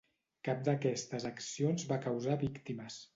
Cap d'aquestes accions va causar víctimes.